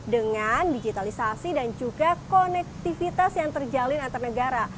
dengan digitalisasi dan juga konektivitas yang terjalin antar negara